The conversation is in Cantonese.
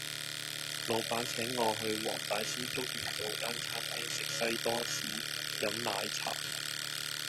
老闆請我去黃大仙竹園道間餐廳食西多士飲奶茶